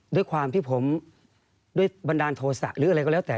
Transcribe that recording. ด้วยความที่ผมด้วยบันดาลโทษะหรืออะไรก็แล้วแต่